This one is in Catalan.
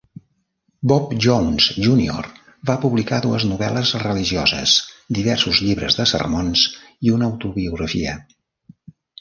Bob Jones Junior va publicar dues novel·les religioses, diversos llibres de sermons i una autobiografia.